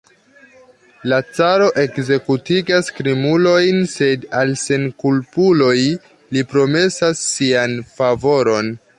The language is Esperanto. La caro ekzekutigas krimulojn, sed al senkulpuloj li promesas sian favoron.